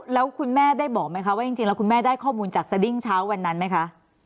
แล้วคุณแม่ได้บอกไหมคะว่าจริงแล้วคุณแม่ได้ข้อมูลจากสดิ้งเช้าวันนั้นไหมคะ